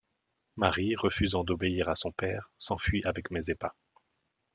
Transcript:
Marie, refusant d'obéir à son père, s'enfuit avec Mazeppa.